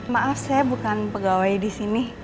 maaf saya bukan pegawai disini